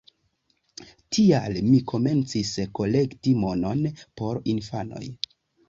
Tial mi komencis kolekti monon por infanoj.